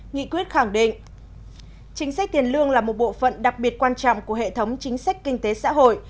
nghị quyết khẳng định chính sách tiền lương là một bộ phận đặc biệt quan trọng của hệ thống chính sách kinh tế xã hội